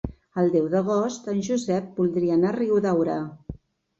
El deu d'agost en Josep voldria anar a Riudaura.